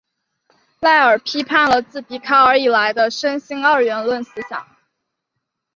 赖尔批判了自笛卡尔以来的身心二元论思想。